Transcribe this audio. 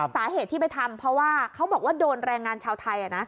สาเหตุที่ไปทำเพราะว่าเขาบอกว่าโดนแรงงานชาวไทย